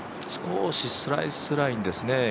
少しスライスラインですね